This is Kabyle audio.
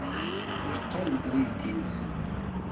Yeqqel-d uydi-nsen.